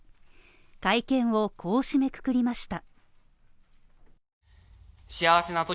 会見をこう締めくくりました。